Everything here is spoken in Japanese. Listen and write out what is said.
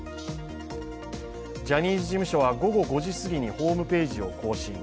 ジャニーズ事務所は午後５時すぎにホームページを更新。